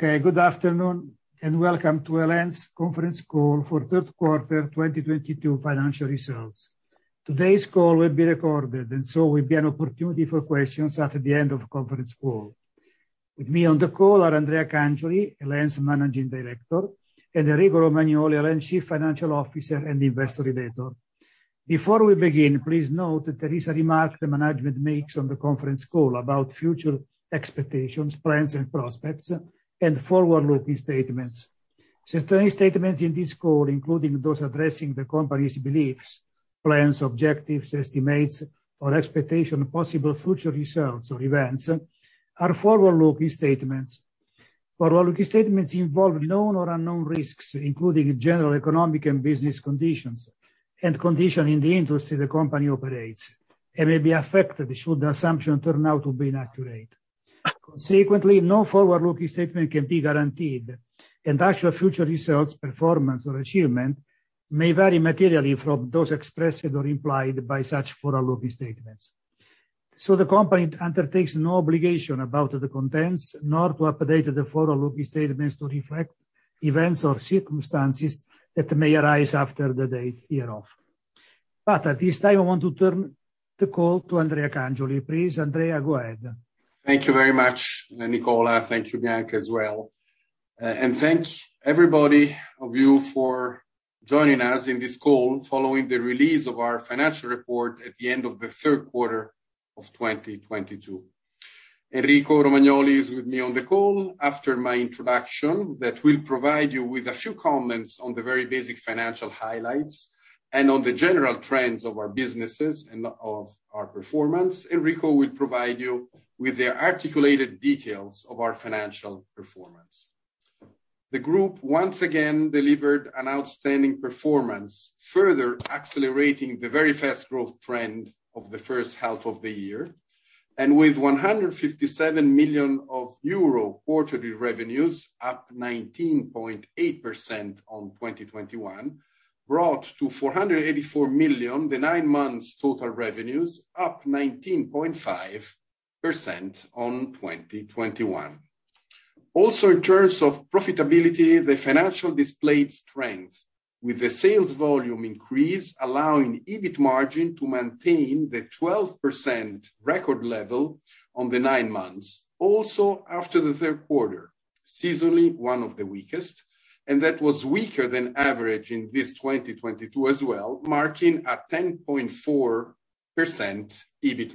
Okay, good afternoon, and welcome to El.En.'s conference call for third quarter 2022 financial results. Today's call will be recorded and so will be an opportunity for questions at the end of conference call. With me on the call are Andrea Cangioli, El.En.'s Managing Director, and Enrico Romagnoli, El.En.'s Chief Financial Officer and Investor Relations. Before we begin, please note that there is a remark the management makes on the conference call about future expectations, plans and prospects, and forward-looking statements. Certain statements in this call, including those addressing the company's beliefs, plans, objectives, estimates, or expectation of possible future results or events are forward-looking statements. Forward-looking statements involve known or unknown risks, including general economic and business conditions and conditions in the industry the company operates, and may be affected should the assumption turn out to be inaccurate. Consequently, no forward-looking statement can be guaranteed, and actual future results, performance, or achievement may vary materially from those expressed or implied by such forward-looking statements. The company undertakes no obligation about the contents, nor to update the forward-looking statements to reflect events or circumstances that may arise after the date hereof. At this time, I want to turn the call to Andrea Cangioli. Please, Andrea, go ahead. Thank you very much, Nicola. Thank you, Bianca, as well. and thanks everybody of you for joining us in this call following the release of our financial report at the end of the third quarter of 2022. Enrico Romagnoli is with me on the call. After my introduction that will provide you with a few comments on the very basic financial highlights and on the general trends of our businesses and of our performance, Enrico will provide you with the articulated details of our financial performance. The group once again delivered an outstanding performance, further accelerating the very fast growth trend of the first half of the year. With 157 million euro quarterly revenues, up 19.8% on 2021, brought to 484 million, the nine months total revenues, up 19.5% on 2021. In terms of profitability, the financial displayed strength with the sales volume increase, allowing EBIT margin to maintain the 12% record level on the nine months. After the third quarter, seasonally, one of the weakest, and that was weaker than average in this 2022 as well, marking a 10.4% EBIT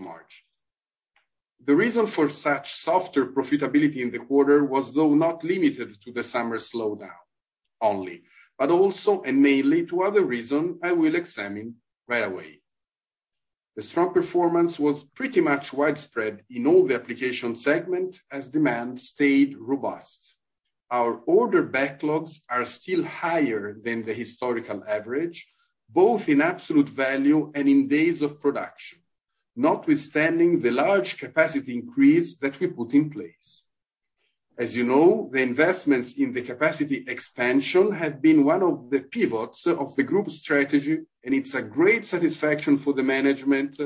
margin. The reason for such softer profitability in the quarter was, though, not limited to the summer slowdown only, but also and mainly to other reason I will examine right away. The strong performance was pretty much widespread in all the application segment as demand stayed robust. Our order backlogs are still higher than the historical average, both in absolute value and in days of production, notwithstanding the large capacity increase that we put in place. As you know, the investments in the capacity expansion have been one of the pivots of the group strategy, and it's a great satisfaction for the management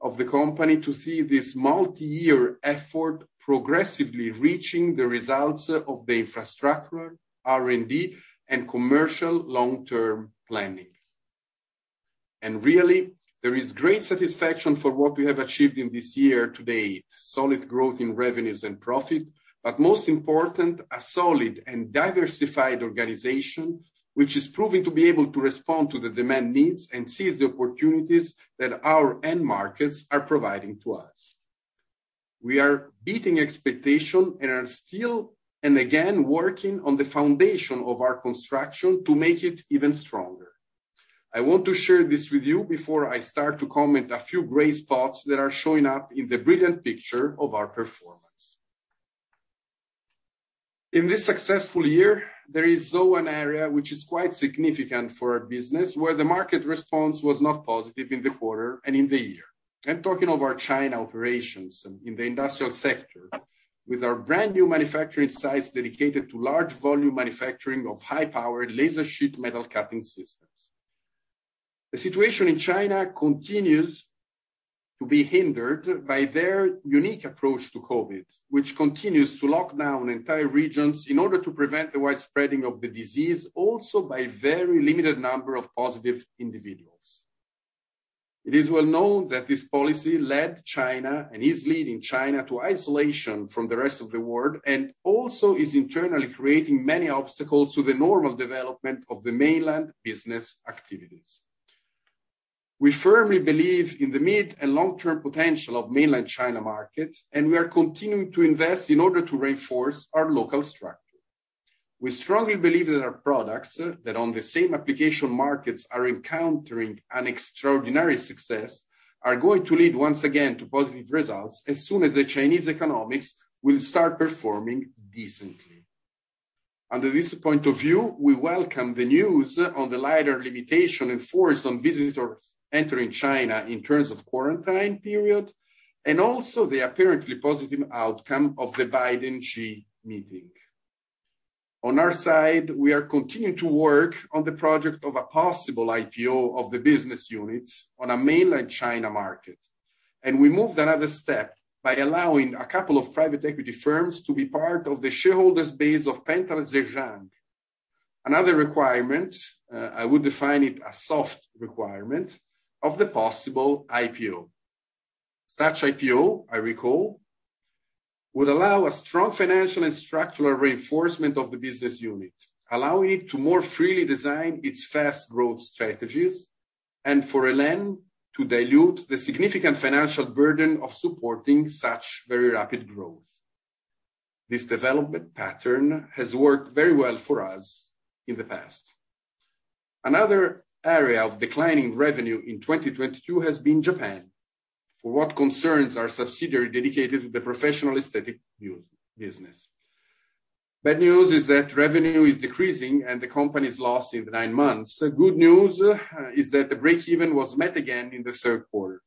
of the company to see this multi-year effort progressively reaching the results of the infrastructure, R&D, and commercial long-term planning. Really, there is great satisfaction for what we have achieved in this year to date, solid growth in revenues and profit, but most important, a solid and diversified organization, which is proving to be able to respond to the demand needs and seize the opportunities that our end markets are providing to us. We are beating expectation and are still, and again, working on the foundation of our construction to make it even stronger. I want to share this with you before I start to comment a few gray spots that are showing up in the brilliant picture of our performance. In this successful year, there is, though, an area which is quite significant for our business, where the market response was not positive in the quarter and in the year. I'm talking of our China operations in the industrial sector, with our brand new manufacturing sites dedicated to large volume manufacturing of high-powered laser sheet metal cutting systems. The situation in China continues to be hindered by their unique approach to COVID, which continues to lock down entire regions in order to prevent the widespread of the disease, also by very limited number of positive individuals. It is well known that this policy led China, and is leading China, to isolation from the rest of the world, and also is internally creating many obstacles to the normal development of the mainland business activities. We firmly believe in the mid and long-term potential of Mainland China market, and we are continuing to invest in order to reinforce our local structure. We strongly believe that our products that on the same application markets are encountering an extraordinary success are going to lead once again to positive results as soon as the Chinese economy will start performing decently. Under this point of view, we welcome the news on the lighter limitation enforced on visitors entering China in terms of quarantine period, and also the apparently positive outcome of the Biden-Xi meeting. On our side, we are continuing to work on the project of a possible IPO of the business units on a Mainland China market, and we moved another step by allowing a couple of private equity firms to be part of the shareholder base of Penta Laser Zhejiang. Another requirement, I would define it as a soft requirement, of the possible IPO. Such IPO, I recall, would allow a strong financial and structural reinforcement of the business unit, allowing it to more freely design its fast growth strategies and for El.En. to dilute the significant financial burden of supporting such very rapid growth. This development pattern has worked very well for us in the past. Another area of declining revenue in 2022 has been Japan. For what concerns our subsidiary dedicated to the professional aesthetics business. Bad news is that revenue is decreasing and the company's loss in the nine months. The good news is that the breakeven was met again in the third quarter.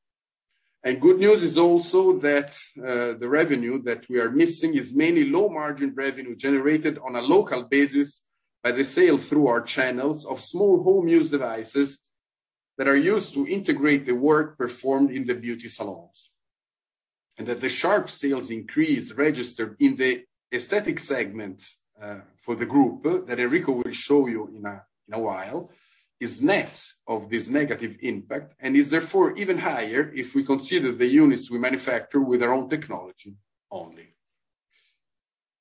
Good news is also that the revenue that we are missing is mainly low margin revenue generated on a local basis by the sale through our channels of small home use devices that are used to integrate the work performed in the beauty salons. That the sharp sales increase registered in the aesthetic segment for the group that Enrico will show you in a while is net of this negative impact and is therefore even higher if we consider the units we manufacture with our own technology only.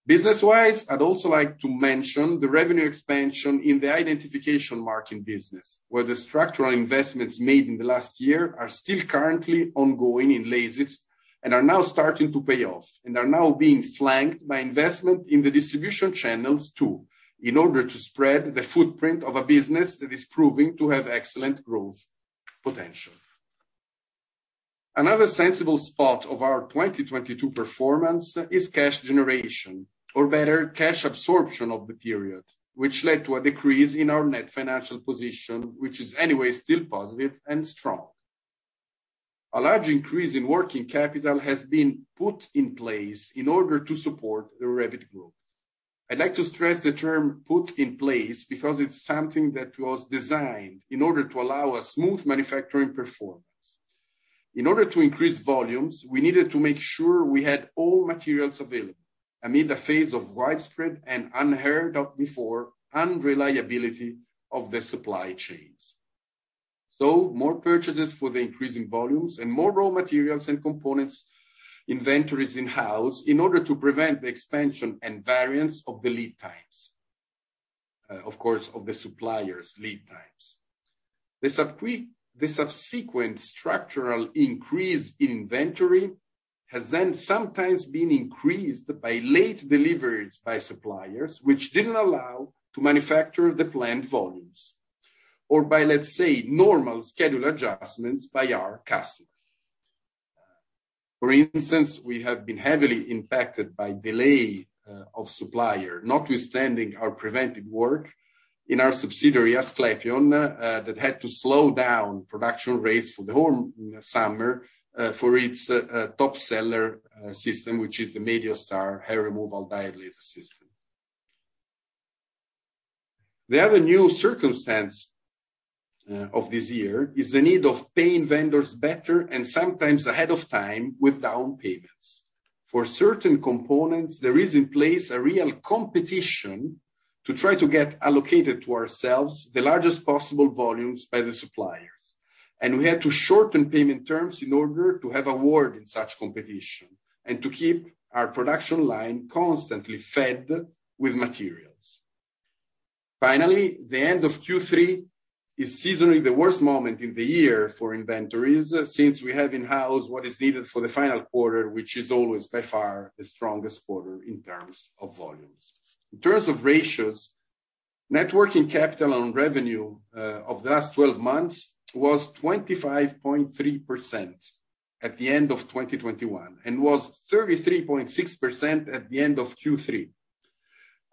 Business-wise, I'd also like to mention the revenue expansion in the identification marking business, where the structural investments made in the last year are still currently ongoing in Lasit and are now starting to pay off, and are now being flanked by investment in the distribution channels too, in order to spread the footprint of a business that is proving to have excellent growth potential. Another sensible spot of our 2022 performance is cash generation, or better cash absorption of the period, which led to a decrease in our net financial position, which is anyway still positive and strong. A large increase in working capital has been put in place in order to support the rapid growth. I'd like to stress the term put in place because it's something that was designed in order to allow a smooth manufacturing performance. In order to increase volumes, we needed to make sure we had all materials available amid a phase of widespread and unheard of before unreliability of the supply chains. More purchases for the increasing volumes and more raw materials and components inventories in-house in order to prevent the expansion and variance of the lead times, of course, of the suppliers' lead times. The subsequent structural increase in inventory has then sometimes been increased by late deliveries by suppliers, which didn't allow to manufacture the planned volumes or by, let's say, normal schedule adjustments by our customer. For instance, we have been heavily impacted by delay of supplier, notwithstanding our preventive work in our subsidiary, Asclepion, that had to slow down production rates for the whole summer for its top seller system, which is the MeDioStar Hair Removal Diode Laser System. The other new circumstance of this year is the need of paying vendors better and sometimes ahead of time with down payments. For certain components, there is in place a real competition to try to get allocated to ourselves the largest possible volumes by the suppliers. We had to shorten payment terms in order to have a word in such competition and to keep our production line constantly fed with materials. Finally, the end of Q3 is seasonally the worst moment in the year for inventories since we have in-house what is needed for the final quarter, which is always by far the strongest quarter in terms of volumes. In terms of ratios, net working capital on revenue of the last 12 months was 25.3% at the end of 2021, and was 33.6% at the end of Q3.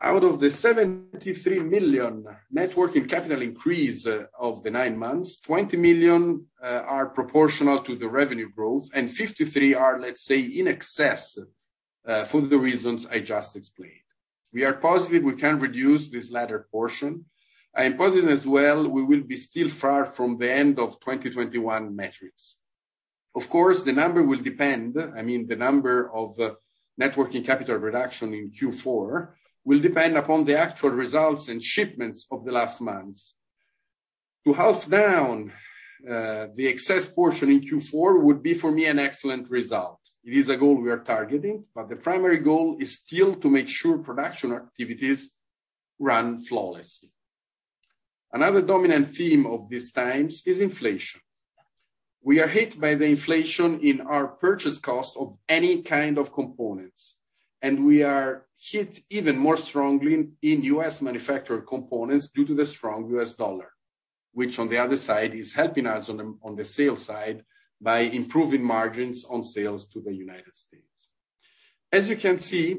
Out of the 73 million net working capital increase of the nine months, 20 million are proportional to the revenue growth, and 53 are, let's say, in excess, for the reasons I just explained. We are positive we can reduce this latter portion. I am positive as well, we will be still far from the end of 2021 metrics. Of course, the number will depend, I mean, the number of net working capital reduction in Q4 will depend upon the actual results and shipments of the last months. To have down the excess portion in Q4 would be, for me, an excellent result. It is a goal we are targeting, but the primary goal is still to make sure production activities run flawlessly. Another dominant theme of these times is inflation. We are hit by the inflation in our purchase cost of any kind of components, and we are hit even more strongly in U.S. manufactured components due to the strong U.S. dollar, which on the other side, is helping us on the sales side by improving margins on sales to the United States. As you can see,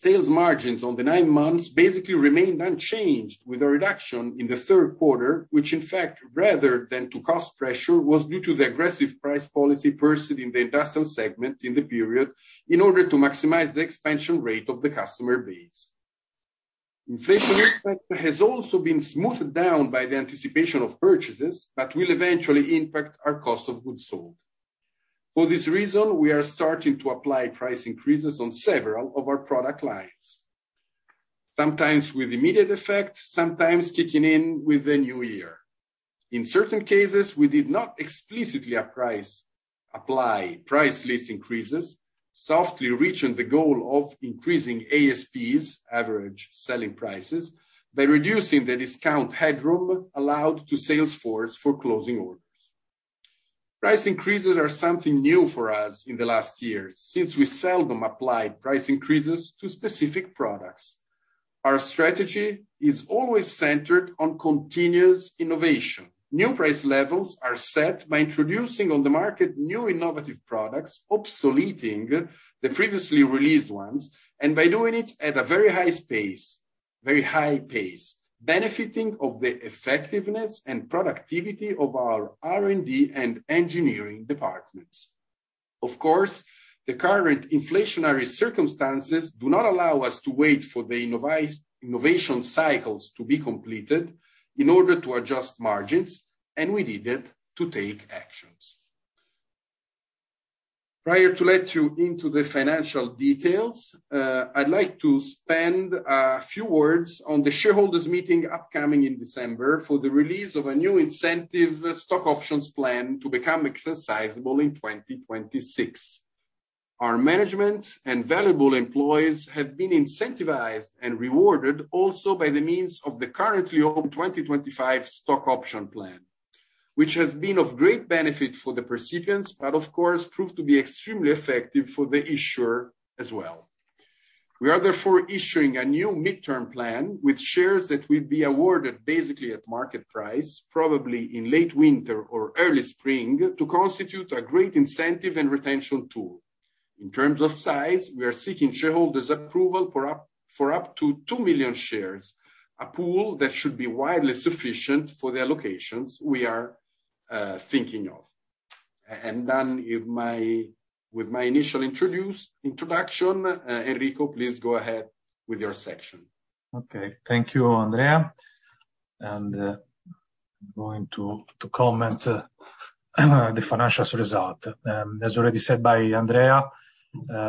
sales margins on the nine months basically remained unchanged with a reduction in the third quarter, which in fact rather than to cost pressure, was due to the aggressive price policy pursued in the industrial segment in the period in order to maximize the expansion rate of the customer base. Inflation impact has also been smoothed down by the anticipation of purchases, but will eventually impact our cost of goods sold. For this reason, we are starting to apply price increases on several of our product lines. Sometimes with immediate effect, sometimes kicking in with the new year. In certain cases, we did not explicitly apply price list increases, softly reaching the goal of increasing ASPs, average selling prices, by reducing the discount headroom allowed to sales force for closing orders. Price increases are something new for us in the last year, since we seldom applied price increases to specific products. Our strategy is always centered on continuous innovation. New price levels are set by introducing on the market new innovative products, obsoleting the previously released ones, and by doing it at a very high pace, benefiting of the effectiveness and productivity of our R&D and engineering departments. Of course, the current inflationary circumstances do not allow us to wait for the innovation cycles to be completed in order to adjust margins, and we needed to take actions. Prior to letting you into the financial details, I'd like to spend a few words on the shareholders meeting upcoming in December for the release of a new incentive stock options plan to become exercisable in 2026. Our management and valuable employees have been incentivized and rewarded also by the means of the currently open 2025 stock option plan, which has been of great benefit for the recipients, but of course, proved to be extremely effective for the issuer as well. We are therefore issuing a new midterm plan with shares that will be awarded basically at market price, probably in late winter or early spring, to constitute a great incentive and retention tool. In terms of size, we are seeking shareholders approval for up to 2 million shares, a pool that should be widely sufficient for the allocations we are thinking of. With my initial introduction, Enrico, please go ahead with your section. Okay. Thank you, Andrea. I'm going to comment the financial results. As already said by Andrea,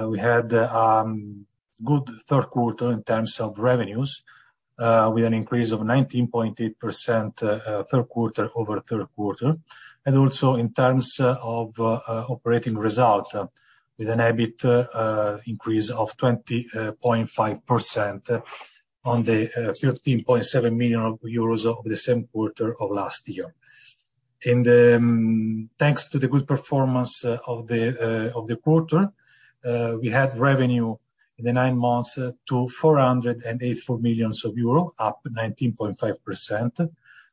we had good third quarter in terms of revenues, with an increase of 19.8%, third quarter over third quarter. Also in terms of operating result, with an EBIT increase of 20.5% on the 13.7 million euros of the same quarter of last year. In the nine months, thanks to the good performance of the quarter, we had revenue in the nine months to 484 million euro, up 19.5%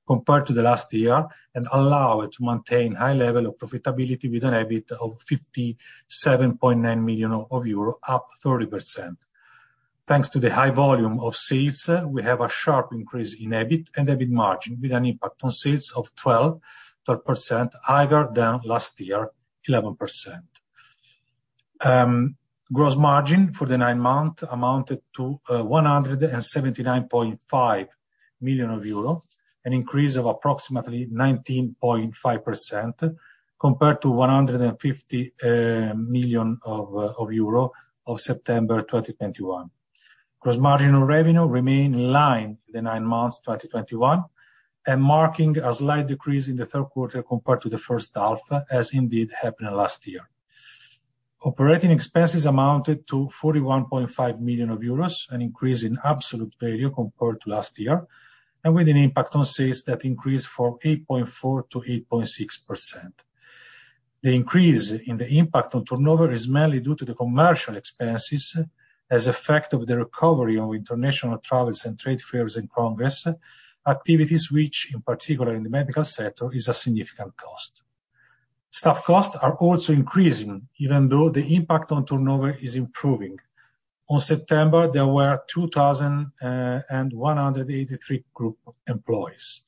compared to the last year, and allow it to maintain high level of profitability with an EBIT of 57.9 million euro, up 30%. Thanks to the high volume of sales, we have a sharp increase in EBIT and EBIT margin, with an impact on sales of 12% higher than last year, 11%. Gross margin for the nine-month amounted to 179.5 million euro, an increase of approximately 19.5% compared to 150 million of September 2021. Gross margin on revenue remain in line with the nine months 2021, and marking a slight decrease in the third quarter compared to the first half, as indeed happened last year. Operating expenses amounted to 41.5 million euros, an increase in absolute value compared to last year, and with an impact on sales that increased from 8.4% to 8.6%. The increase in the impact on turnover is mainly due to the commercial expenses as effect of the recovery of international travels and trade fairs and congress, activities which, in particular in the medical sector, is a significant cost. Staff costs are also increasing, even though the impact on turnover is improving. On September, there were 2,183 group employees.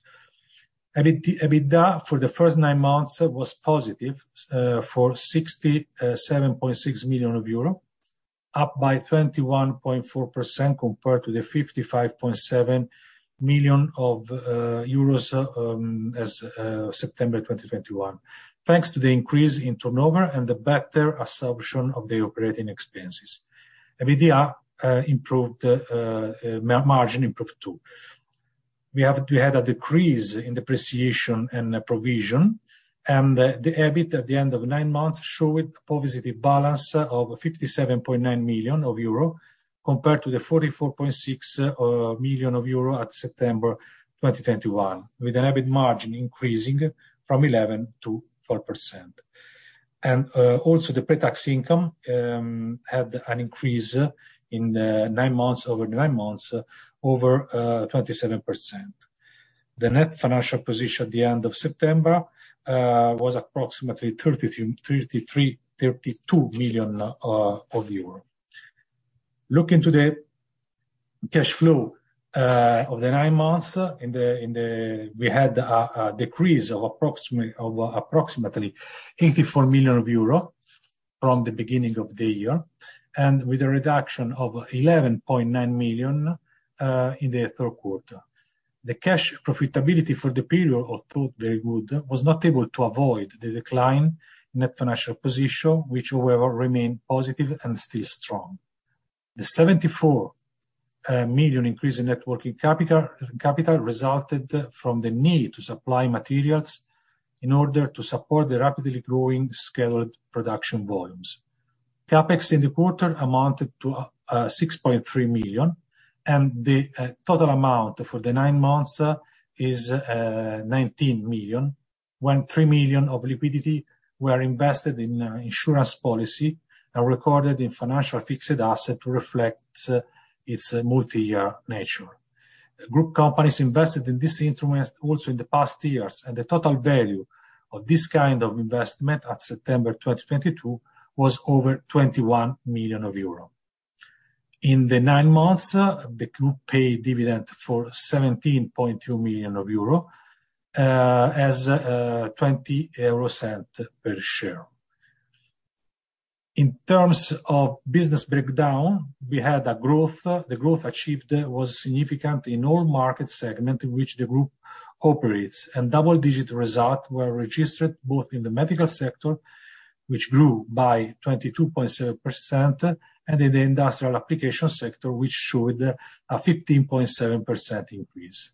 EBIT, EBITDA for the first nine months was positive for 67.6 million euro, up by 21.4% compared to the EUR 55.7 million as September 2021. Thanks to the increase in turnover and the better absorption of the operating expenses. EBITDA improved. Margin improved too. We had a decrease in depreciation and provision, and the EBIT at the end of 9 months showed positive balance of 57.9 million euro, compared to the 44.6 million of euro at September 2021, with an EBIT margin increasing from 11% to 4%. Also the pre-tax income had an increase in 9 months, over 9 months over 27%. The net financial position at the end of September was approximately 32 million of euro. Looking to the cash flow of the 9 months in the. We had a decrease of approximately 84 million of euro from the beginning of the year, and with a reduction of 11.9 million in the third quarter. The cash profitability for the period, although very good, was not able to avoid the decline in net financial position, which however remained positive and still strong. The 74 million increase in net working capital resulted from the need to supply materials in order to support the rapidly growing scaled production volumes. CapEx in the quarter amounted to 6.3 million, and the total amount for the 9 months is 19 million, with 3 million of liquidity invested in insurance policy and recorded in financial fixed asset to reflect its multi-year nature. The group companies invested in this instrument also in the past years, and the total value of this kind of investment at September 2022 was over 21 million euro. In the nine months, the group paid dividend for 17.2 million euro, as 20 euro cents per share. In terms of business breakdown, we had a growth. The growth achieved was significant in all market segments in which the group operates. Double-digit results were registered both in the medical sector, which grew by 22.7%, and in the industrial application sector, which showed a 15.7% increase.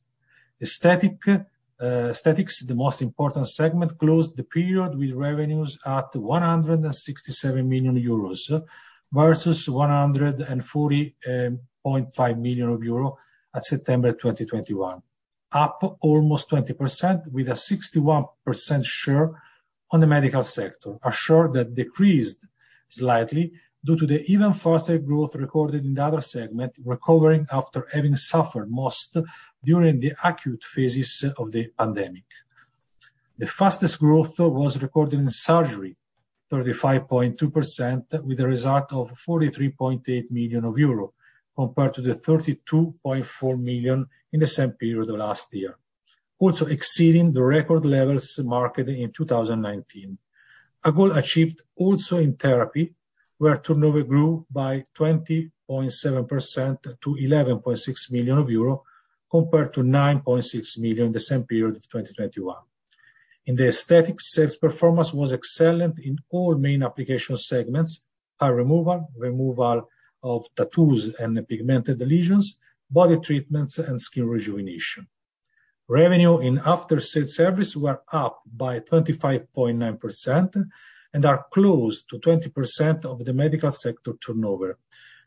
Aesthetics, the most important segment, closed the period with revenues at 167 million euros versus 140.5 million euro in September 2021, up almost 20% with a 61% share on the medical sector. A share that decreased slightly due to the even faster growth recorded in the other segment, recovering after having suffered most during the acute phases of the pandemic. The fastest growth, though, was recorded in surgery, 35.2% with a result of 43.8 million euro, compared to the 32.4 million in the same period of last year, also exceeding the record levels marked in 2019. A goal achieved also in therapy, where turnover grew by 20.7% to 11.6 million euro, compared to 9.6 million the same period of 2021. In the aesthetics, sales performance was excellent in all main application segments, hair removal of tattoos and pigmented lesions, body treatments, and skin rejuvenation. Revenue and after-sales service were up by 25.9% and are close to 20% of the medical sector turnover,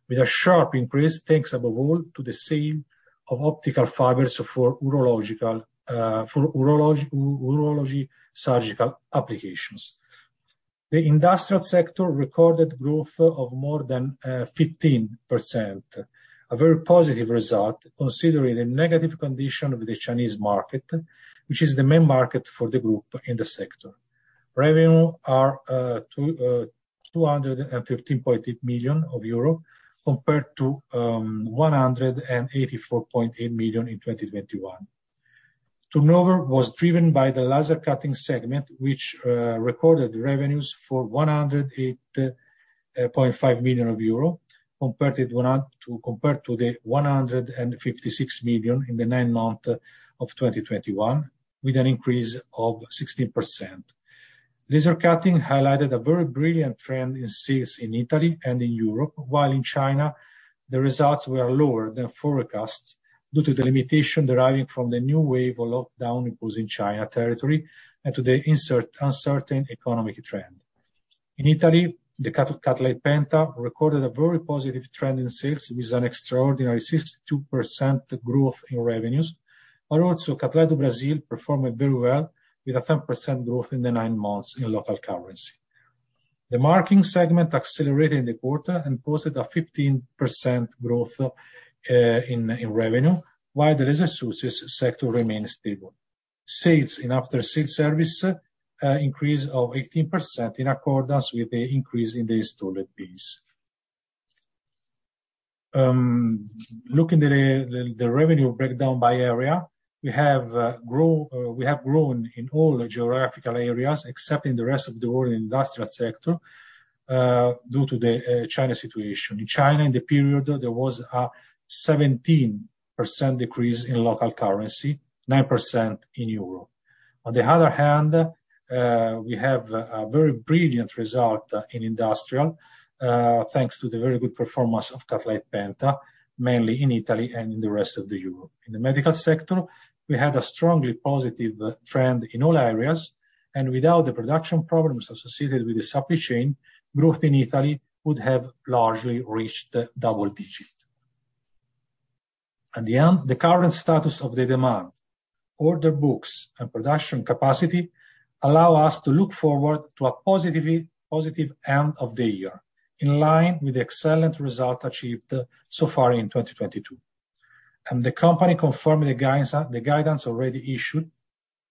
with a sharp increase thanks above all to the sale of optical fibers for urology surgical applications. The industrial sector recorded growth of more than 15%. A very positive result considering the negative condition of the Chinese market, which is the main market for the group in the sector. Revenue are 215.8 million euro compared to 184.8 million EUR in 2021. Turnover was driven by the laser cutting segment, which recorded revenues for 108.5 million euro compared to 156 million EUR in the nine months of 2021, with an increase of 16%. Laser cutting highlighted a very brilliant trend in sales in Italy and in Europe, while in China, the results were lower than forecasts due to the limitation deriving from the new wave of lockdown imposed in Chinese territory and to the still-uncertain economic trend. In Italy, the Cutlite Penta recorded a very positive trend in sales with an extraordinary 62% growth in revenues. Also Cutlite do Brasil performed very well with a 10% growth in the nine months in local currency. The marking segment accelerated in the quarter and posted a 15% growth in revenue, while the laser sources sector remains stable. Sales in after-sales service increased by 18% in accordance with the increase in the installed base. Looking at the revenue breakdown by area, we have grown in all the geographical areas, except in the rest of the world industrial sector, due to the China situation. In China, in the period, there was a 17% decrease in local currency, 9% in Europe. On the other hand, we have a very brilliant result in industrial, thanks to the very good performance of Cutlite Penta, mainly in Italy and in the rest of Europe. In the medical sector, we had a strongly positive trend in all areas, and without the production problems associated with the supply chain, growth in Italy would have largely reached double digit. At the end, the current status of the demand, order books, and production capacity allow us to look forward to a positively positive end of the year, in line with the excellent result achieved so far in 2022. The company confirmed the guidance already issued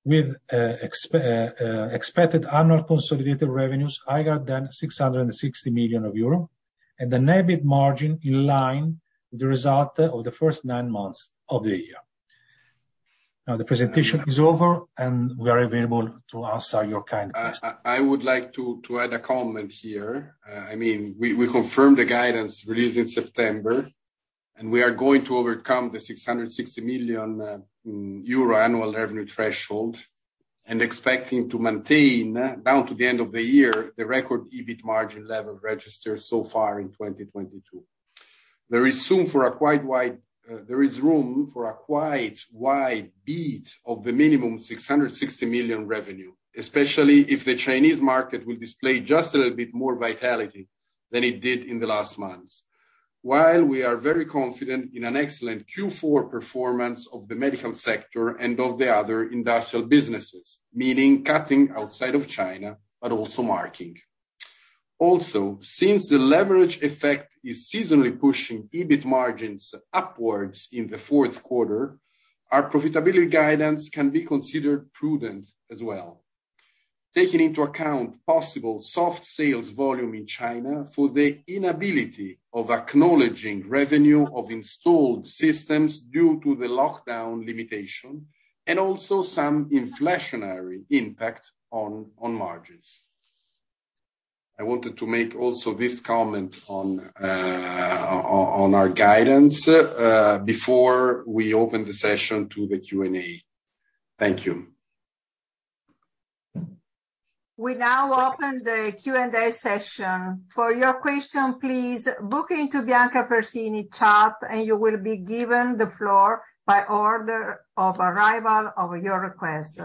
with expected annual consolidated revenues higher than 660 million euro and the net EBIT margin in line with the result of the first nine months of the year. Now the presentation is over, and we are available to answer your kind questions. I would like to add a comment here. I mean, we confirm the guidance released in September, and we are going to overcome the 660 million euro annual revenue threshold, and expecting to maintain up to the end of the year, the record EBIT margin level registered so far in 2022. There is room for a quite wide beat of the minimum 660 million revenue, especially if the Chinese market will display just a little bit more vitality than it did in the last months. While we are very confident in an excellent Q4 performance of the medical sector and of the other industrial businesses, meaning cutting outside of China, but also marking. Also, since the leverage effect is seasonally pushing EBIT margins upwards in the fourth quarter, our profitability guidance can be considered prudent as well. Taking into account possible soft sales volume in China for the inability of acknowledging revenue of installed systems due to the lockdown limitation and also some inflationary impact on margins. I wanted to make also this comment on our guidance before we open the session to the Q&A. Thank you. We now open the Q&A session. For your question, please book into Bianca Fersini Mastelloni chat, and you will be given the floor by order of arrival of your request.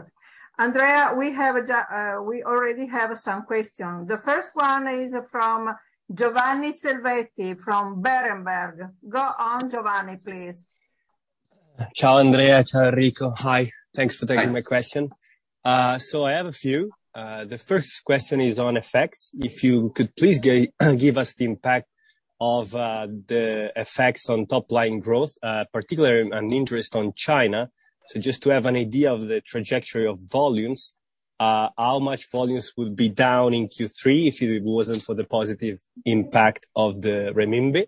Andrea, we already have some question. The first one is from Giovanni Selvetti from Berenberg. Go on, Giovanni, please. Ciao, Andrea. Ciao, Enrico. Hi. Thanks for taking my question. I have a few. The first question is on FX. If you could please give us the impact of the FX on top line growth, particularly in aesthetics in China. Just to have an idea of the trajectory of volumes, how much volumes would be down in Q3 if it wasn't for the positive impact of the renminbi.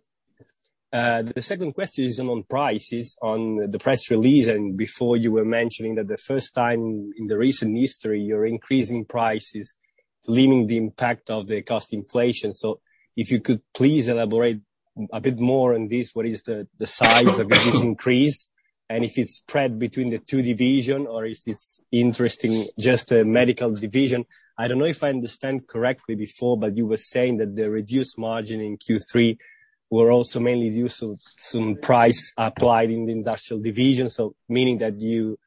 The second question is on prices, on the press release, and before you were mentioning that the first time in recent history, you're increasing prices, to offset the impact of the cost inflation. If you could please elaborate a bit more on this, what is the size of this increase, and if it's spread between the two divisions or if it's affecting just the medical division. I don't know if I understand correctly before, but you were saying that the reduced margin in Q3 were also mainly due to some price applied in the industrial division, so meaning that you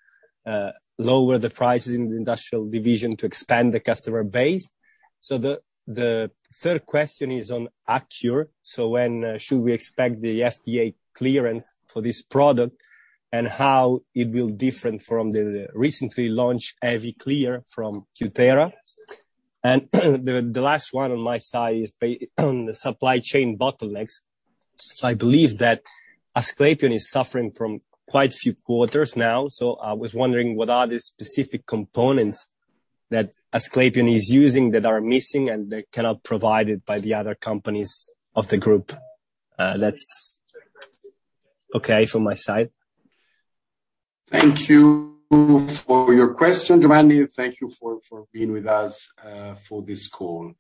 lower the prices in the industrial division to expand the customer base. The third question is on Accure. When should we expect the FDA clearance for this product, and how it will different from the recently launched AviClear from Cutera? The last one on my side is on the supply chain bottlenecks. I believe that Asclepion is suffering from quite a few quarters now, so I was wondering what are the specific components that Asclepion is using that are missing and that cannot provided by the other companies of the group. That's okay from my side. Thank you for your question, Giovanni. Thank you for being with us for this call.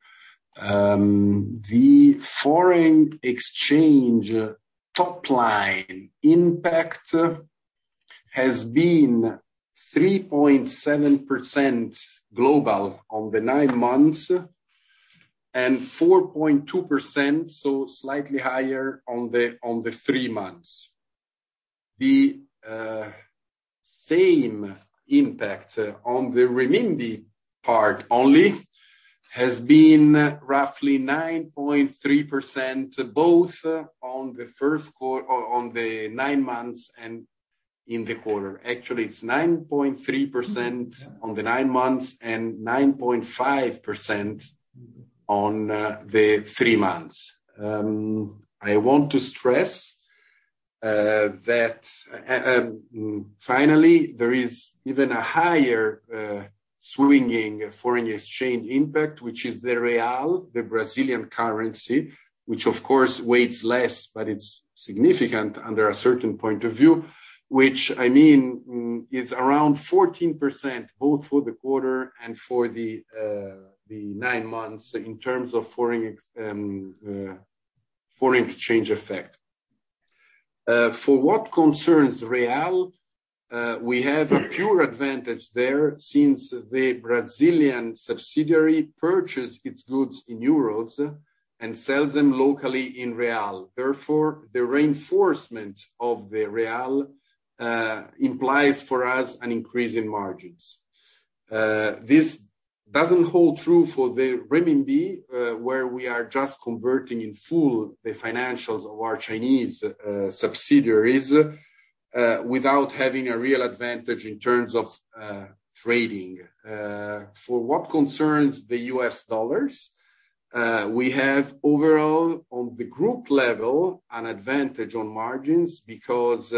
The foreign exchange top line impact has been 3.7% global on the nine months and 4.2%, so slightly higher on the three months. The same impact on the renminbi part only has been roughly 9.3%, both on the nine months and in the quarter. Actually, it's 9.3% on the nine months and 9.5% on the three months. I want to stress that finally there is even a higher swinging foreign exchange impact, which is the real, the Brazilian currency, which of course weighs less, but it's significant under a certain point of view, which I mean is around 14%, both for the quarter and for the nine months in terms of foreign exchange effect. For what concerns real, we have a pure advantage there since the Brazilian subsidiary purchases its goods in euros and sells them locally in real. Therefore, the reinforcement of the real implies for us an increase in margins. This doesn't hold true for the renminbi, where we are just converting in full the financials of our Chinese subsidiaries without having a real advantage in terms of trading. For what concerns the U.S. dollars, we have overall on the group level an advantage on margins because,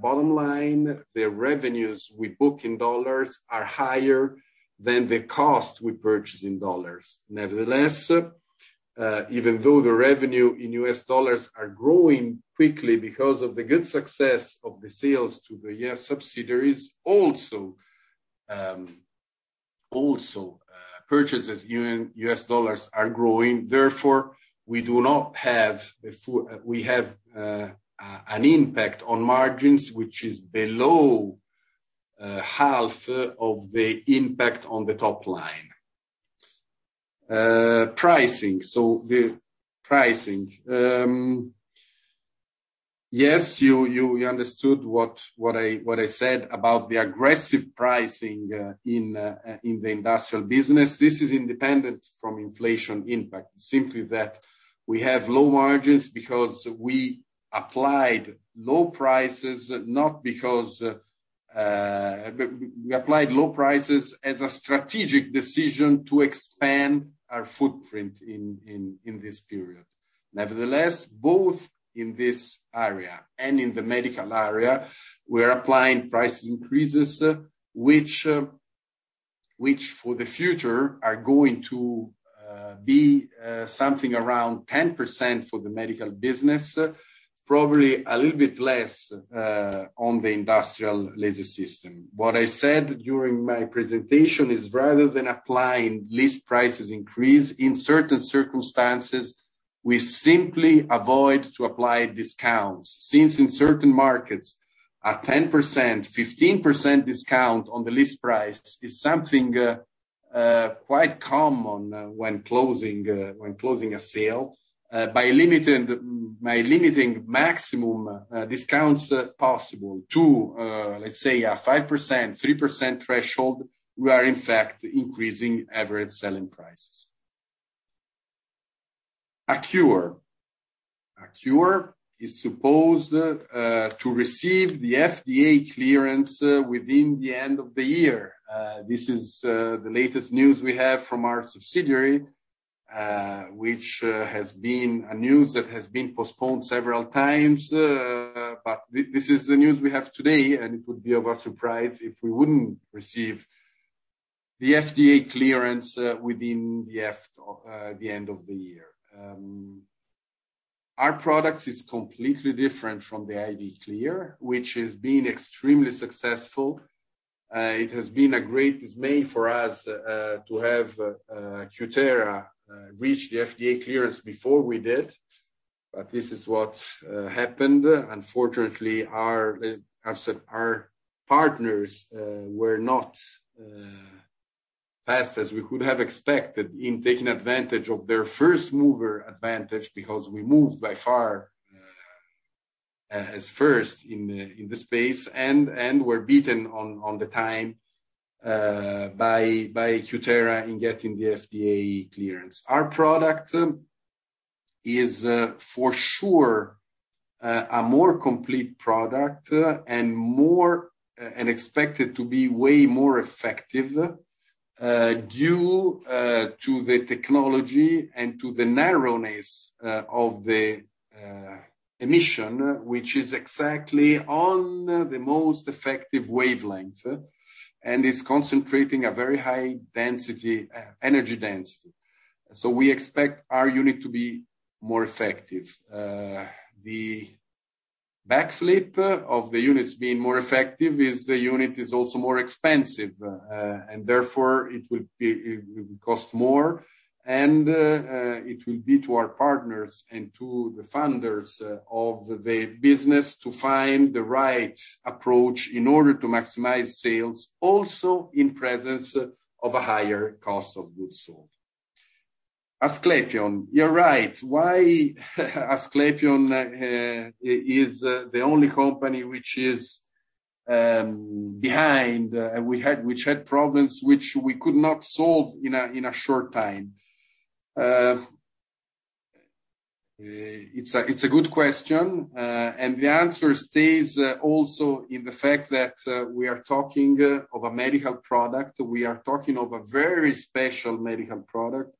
bottom line, the revenues we book in dollars are higher than the cost we purchase in dollars. Nevertheless, even though the revenue in U.S. dollars are growing quickly because of the good success of the sales to the U.S. subsidiaries also, purchases in U.S. dollars are growing, therefore we have an impact on margins which is below half of the impact on the top line. Pricing. The pricing. Yes, you understood what I said about the aggressive pricing in the industrial business. This is independent from inflation impact. Simply that we have low margins because we applied low prices, not because we applied low prices as a strategic decision to expand our footprint in this period. Nevertheless, both in this area and in the medical area, we are applying price increases which for the future are going to be something around 10% for the medical business, probably a little bit less on the industrial laser system. What I said during my presentation is rather than applying list price increases, in certain circumstances, we simply avoid to apply discounts. Since in certain markets, a 10%, 15% discount on the list price is something quite common when closing a sale. By limiting maximum discounts possible to, let's say a 5%, 3% threshold, we are in fact increasing average selling prices. Accure is supposed to receive the FDA clearance within the end of the year. This is the latest news we have from our subsidiary, which has been a news that has been postponed several times. This is the news we have today, and it would be of a surprise if we wouldn't receive the FDA clearance within the end of the year. Our product is completely different from the AviClear, which has been extremely successful. It has been a great dismay for us to have Cutera reach the FDA clearance before we did. This is what happened. Unfortunately, as I said, our partners were not as fast as we could have expected in taking advantage of their first mover advantage, because we moved by far as the first in the space, and were beaten on time by Cutera in getting the FDA clearance. Our product is for sure a more complete product and more expected to be way more effective due to the technology and to the narrowness of the emission, which is exactly on the most effective wavelength, and is concentrating a very high density energy density. We expect our unit to be more effective. The backflip of the units being more effective is the unit is also more expensive, and therefore it would be, it would cost more, and it will be to our partners and to the funders of the business to find the right approach in order to maximize sales also in presence of a higher cost of goods sold. Asclepion. You're right. Why Asclepion is the only company which is behind, which had problems which we could not solve in a short time? It's a good question. The answer stays also in the fact that we are talking of a medical product. We are talking of a very special medical product.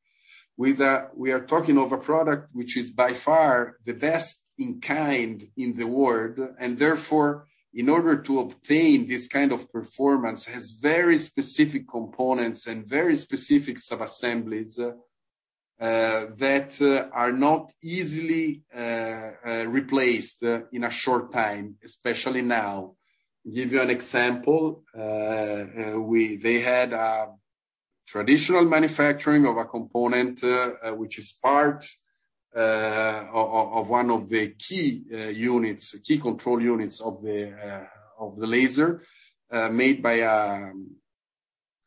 We are talking of a product which is by far the best in kind in the world, and therefore, in order to obtain this kind of performance, has very specific components and very specific subassemblies that are not easily replaced in a short time, especially now. Give you an example. They had a traditional manufacturing of a component which is part of one of the key control units of the laser made by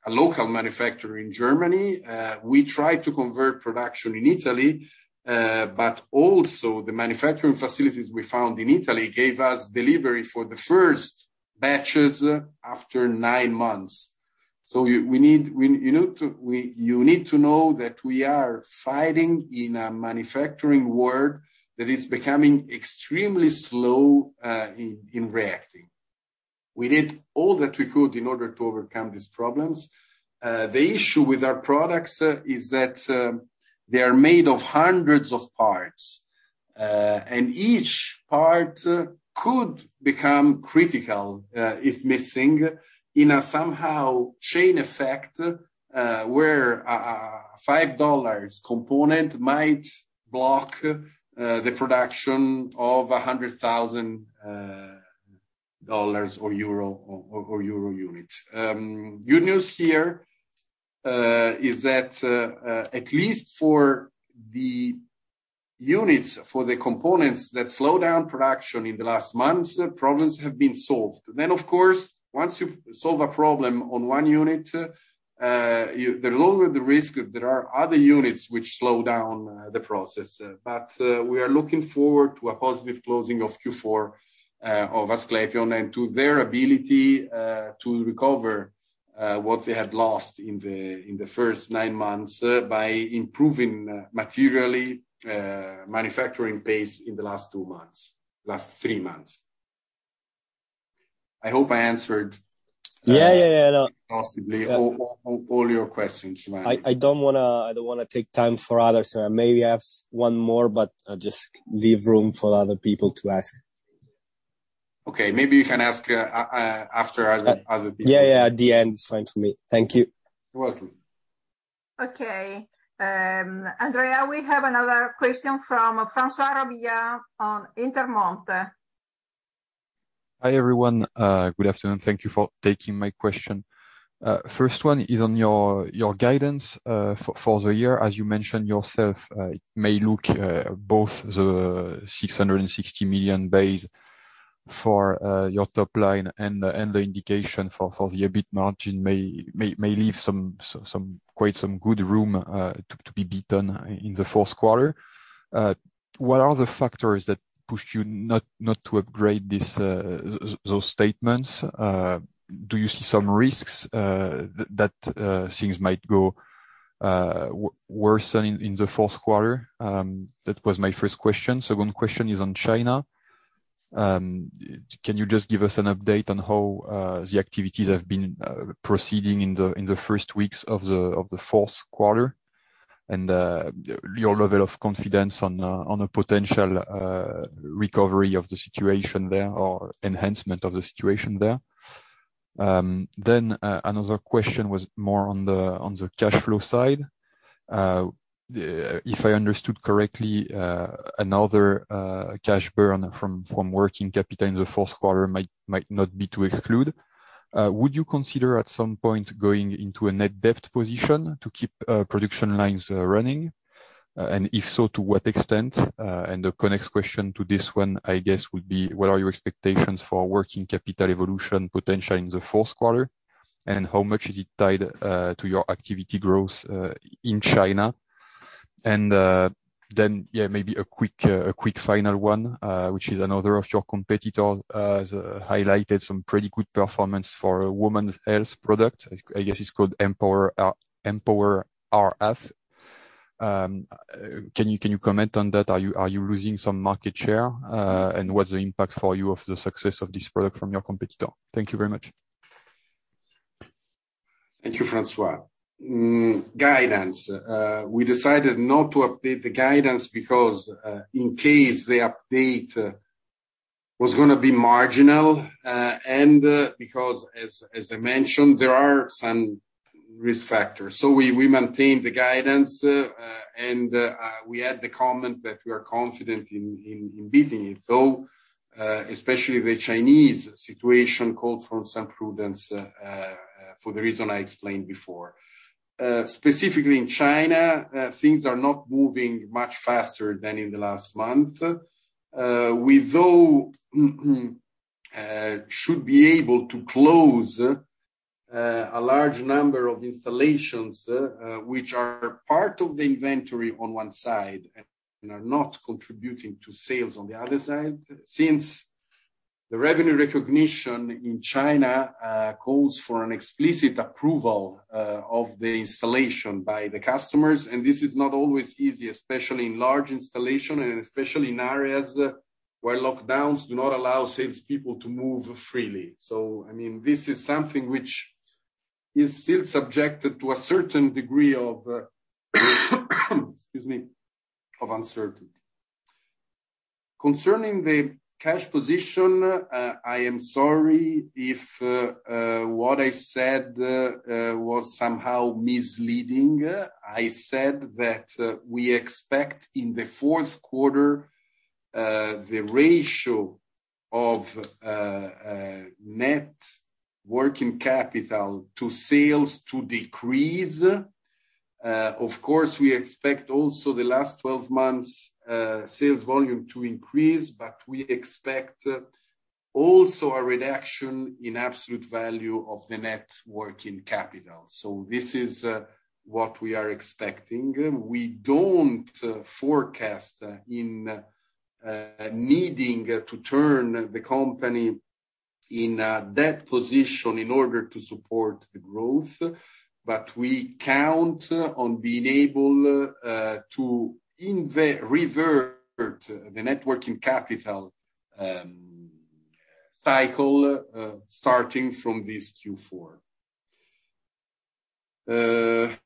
a local manufacturer in Germany. We tried to convert production in Italy, but also the manufacturing facilities we found in Italy gave us delivery for the first batches after nine months. We need you to know that we are fighting in a manufacturing world that is becoming extremely slow in reacting. We did all that we could in order to overcome these problems. The issue with our products is that they are made of hundreds of parts and each part could become critical if missing in a somehow chain effect where a $5 component might block the production of $100,000 or EUR 100,000 units. Good news here is that at least for the units for the components that slowed down production in the last months, problems have been solved. Of course, once you've solved a problem on one unit, there's always the risk that there are other units which slow down the process. We are looking forward to a positive closing of Q4 of Asclepion and to their ability to recover what they had lost in the first nine months by improving materially manufacturing pace in the last two months, last three months. I hope I answered. Yeah. No.... possibly all your questions, Giovanni Selvetti. I don't wanna take time from others. Maybe I have one more, but I'll just leave room for other people to ask. Okay. Maybe you can ask after other people. Yeah, yeah, at the end is fine for me. Thank you. You're welcome. Okay. Andrea, we have another question from Francois Robillard on Intermonte. Hi, everyone. Good afternoon. Thank you for taking my question. First one is on your guidance for the year. As you mentioned yourself, it may look both the 660 million base for your top line and the indication for the EBIT margin may leave some quite some good room to be beaten in the fourth quarter. What are the factors that pushed you not to upgrade those statements? Do you see some risks that things might go worse in the fourth quarter? That was my first question. Second question is on China. Can you just give us an update on how the activities have been proceeding in the first weeks of the fourth quarter and your level of confidence on a potential recovery of the situation there or enhancement of the situation there? Another question was more on the cash flow side. If I understood correctly, another cash burn from working capital in the fourth quarter might not be to exclude. Would you consider at some point going into a net debt position to keep production lines running? And if so, to what extent? The next question to this one, I guess, would be what are your expectations for working capital evolution potentially in the fourth quarter, and how much is it tied to your activity growth in China? Maybe a quick final one, which is another of your competitors has highlighted some pretty good performance for a woman's health product. I guess it's called EmpowerRF RF. Can you comment on that? Are you losing some market share? What's the impact for you of the success of this product from your competitor? Thank you very much. Thank you, Francois. Guidance. We decided not to update the guidance because in case the update was gonna be marginal and because as I mentioned, there are some risk factors. We maintained the guidance and we had the comment that we are confident in beating it, though especially the Chinese situation called for some prudence for the reason I explained before. Specifically in China, things are not moving much faster than in the last month. We, though, should be able to close a large number of installations which are part of the inventory on one side and are not contributing to sales on the other side. Since the revenue recognition in China calls for an explicit approval of the installation by the customers, and this is not always easy, especially in large installation and especially in areas where lockdowns do not allow salespeople to move freely. I mean, this is something which is still subjected to a certain degree of uncertainty. Concerning the cash position, I am sorry if what I said was somehow misleading. I said that we expect in the fourth quarter the ratio of net working capital to sales to decrease. Of course, we expect also the last 12 months sales volume to increase, but we expect also a reduction in absolute value of the net working capital. This is what we are expecting. We don't foresee needing to turn the company into a debt position in order to support the growth, but we count on being able to revert the net working capital cycle starting from this Q4.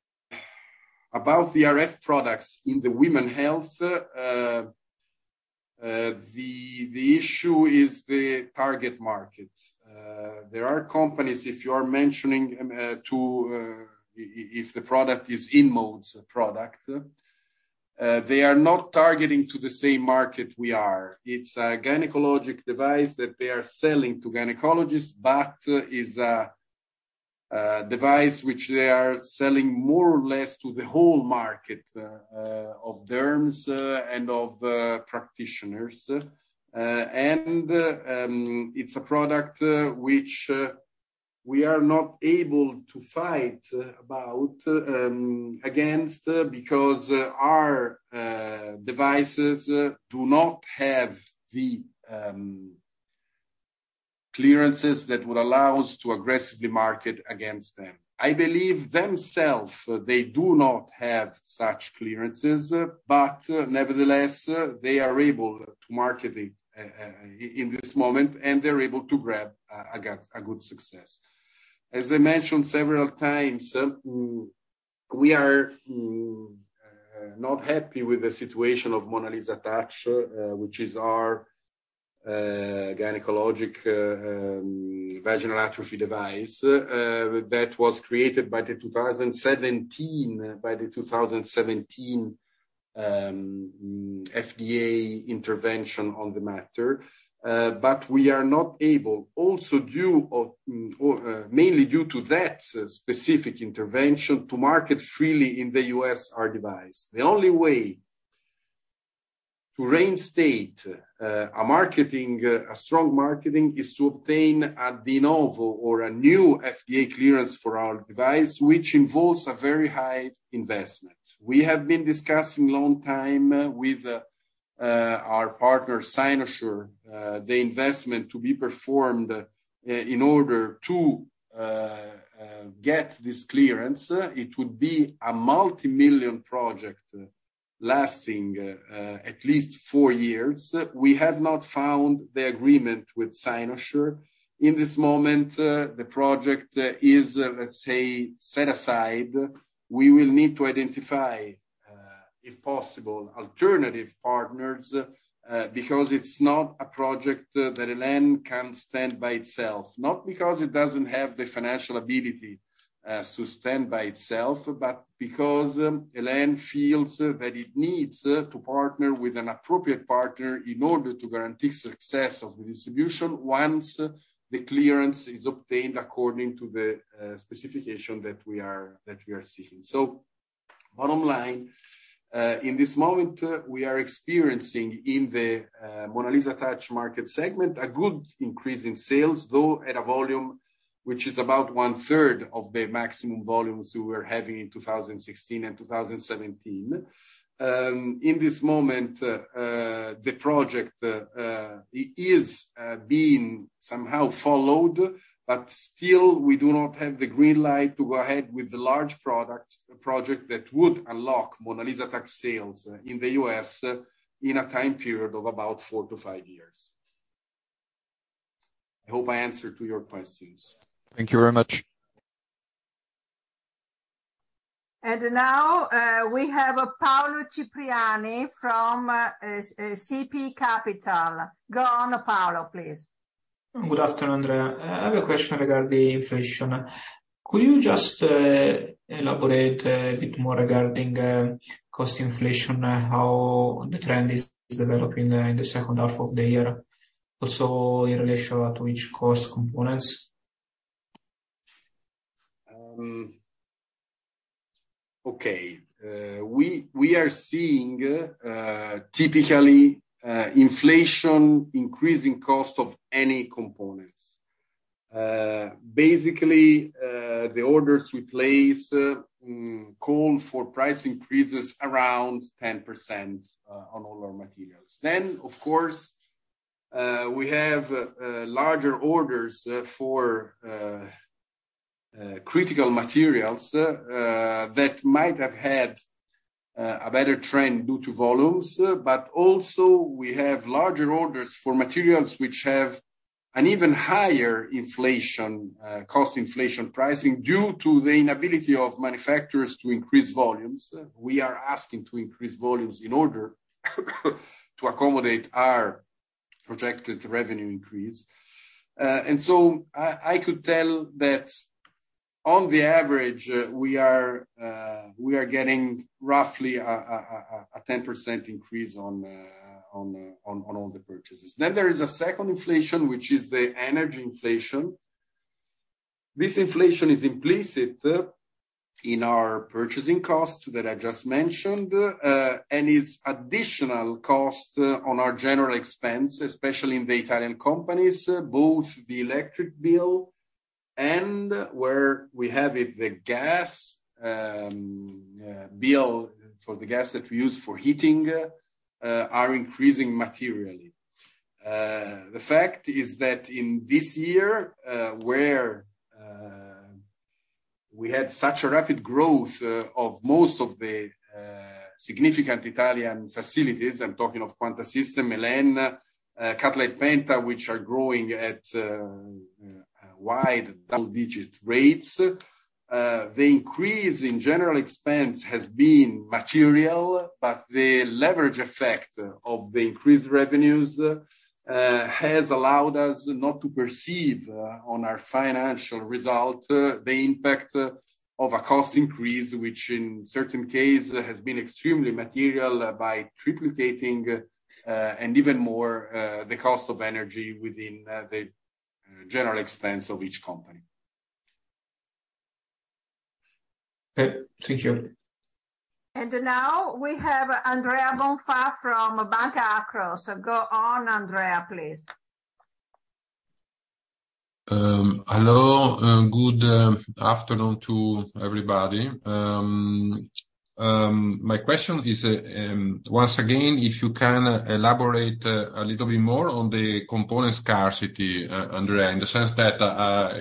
About the RF products in the women's health, the issue is the target market. There are companies, if you are mentioning to if the product is InMode's product, they are not targeting to the same market we are. It's a gynecologic device that they are selling to gynecologists, but is a device which they are selling more or less to the whole market of derms and of practitioners. It's a product which we are not able to fight against, because our devices do not have the clearances that would allow us to aggressively market against them. I believe themselves, they do not have such clearances, but nevertheless, they are able to market it in this moment, and they're able to grab a good success. As I mentioned several times, we are not happy with the situation of MonaLisa Touch, which is our gynecologic vaginal atrophy device, that was created by the 2017 FDA intervention on the matter. We are not able also due to, or mainly due to that specific intervention to market freely in the U.S. our device. The only way to reinstate a strong marketing is to obtain a de novo or a new FDA clearance for our device, which involves a very high investment. We have been discussing a long time with our partner, Cynosure, the investment to be performed in order to get this clearance. It would be a multimillion project lasting at least four years. We have not found the agreement with Cynosure. In this moment, the project is, let's say, set aside. We will need to identify, if possible, alternative partners, because it's not a project that El.En. can stand by itself, not because it doesn't have the financial ability, to stand by itself, but because El.En. feels that it needs to partner with an appropriate partner in order to guarantee success of the distribution once the clearance is obtained according to the specification that we are seeking. Bottom line, in this moment, we are experiencing in the MonaLisa Touch market segment, a good increase in sales, though at a volume which is about 1/3 of the maximum volumes we were having in 2016 and 2017. In this moment, the project is being somehow followed, but still we do not have the green light to go ahead with the large products project that would unlock MonaLisa Touch sales in the U.S. in a time period of about 4-5 years. I hope I answered to your questions. Thank you very much. Now, we have Paolo Cipriano from TP ICAP. Go on Paolo, please. Good afternoon. I have a question regarding inflation. Could you just elaborate a bit more regarding cost inflation, how the trend is developing in the second half of the year, also in relation to which cost components? Okay. We are seeing typically inflation increasing cost of any components. Basically, the orders we place call for price increases around 10% on all our materials. Of course, we have larger orders for critical materials that might have had a better trend due to volumes. We also have larger orders for materials which have an even higher inflation cost inflation pricing due to the inability of manufacturers to increase volumes. We are asking to increase volumes in order to accommodate our projected revenue increase. I could tell that on the average, we are getting roughly a 10% increase on all the purchases. There is a second inflation, which is the energy inflation. This inflation is implicit in our purchasing costs that I just mentioned, and it's additional cost on our general expense, especially in the Italian companies, both the electric bill and where we have it, the gas bill for the gas that we use for heating, are increasing materially. The fact is that in this year, where we had such a rapid growth of most of the significant Italian facilities, I'm talking of Quanta System, El.En., CutlitePenta, which are growing at wide double-digit rates. The increase in general expense has been material, but the leverage effect of the increased revenues has allowed us not to perceive, on our financial result, the impact of a cost increase, which in certain cases has been extremely material by triplicating, and even more, the cost of energy within the general expense of each company. Okay. Thank you. Now we have Andrea Bonfà from Banca Akros. Go on, Andrea, please. Hello, and good afternoon to everybody. My question is, once again, if you can elaborate a little bit more on the component scarcity, Andrea, in the sense that,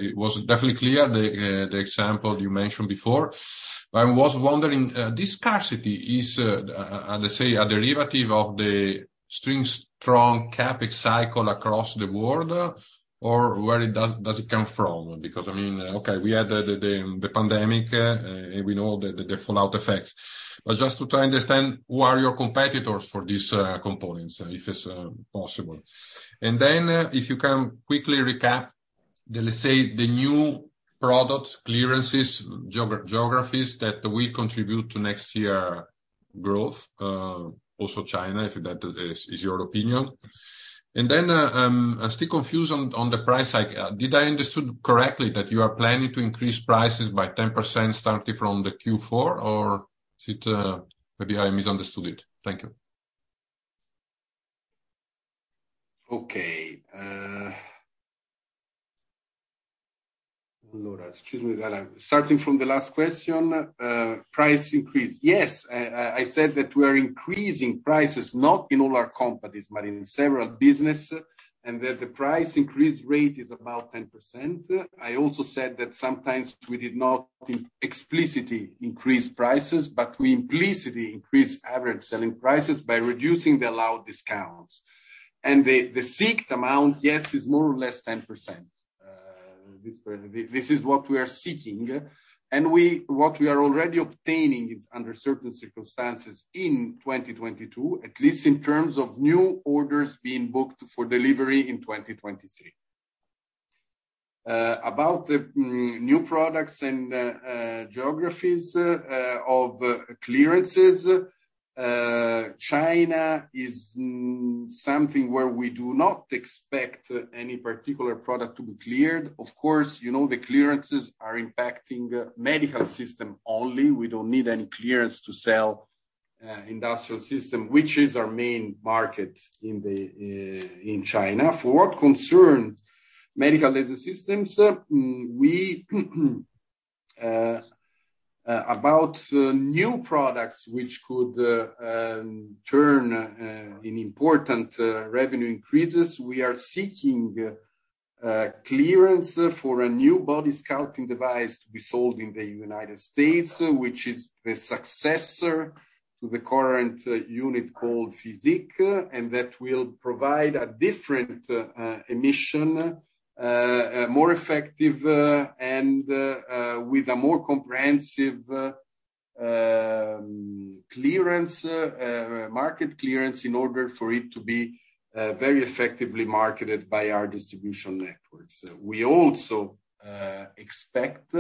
it was definitely clear, the example you mentioned before. I was wondering, this scarcity is, let's say, a derivative of the strong CapEx cycle across the world or where does it come from? Because, I mean, okay, we had the pandemic, and we know the fallout effects. Just to try and understand who are your competitors for these components, if it's possible. Then if you can quickly recap, let's say, the new product clearances, geographies that will contribute to next year growth, also China, if that is your opinion. Then, I'm still confused on the price hike. Did I understood correctly that you are planning to increase prices by 10% starting from the Q4 or is it, Maybe I misunderstood it? Thank you. Okay. Laura, excuse me that I'm starting from the last question, price increase. Yes, I said that we are increasing prices, not in all our companies, but in several businesses, and that the price increase rate is about 10%. I also said that sometimes we did not explicitly increase prices, but we implicitly increase average selling prices by reducing the allowed discounts. The sought amount, yes, is more or less 10%. This is what we are seeking. What we are already obtaining is under certain circumstances in 2022, at least in terms of new orders being booked for delivery in 2023. About the new products and geographies of clearances, China is something where we do not expect any particular product to be cleared. Of course, you know, the clearances are impacting medical systems only. We don't need any clearance to sell industrial systems, which is our main market in China. For what concerns medical laser systems, we are seeking clearance for a new body sculpting device to be sold in the United States, which is the successor to the current unit called PHYSIQ, and that will provide a different emission more effective and with a more comprehensive market clearance in order for it to be very effectively marketed by our distribution networks. We also expect